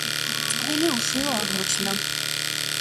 წყვილი უშვილო აღმოჩნდა.